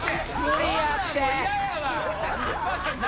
無理やて！